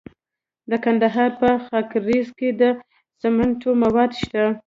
د کندهار په خاکریز کې د سمنټو مواد شته.